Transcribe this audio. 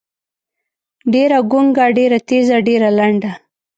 ډېــره ګونګــــــه، ډېــره تېــزه، ډېــره لنډه.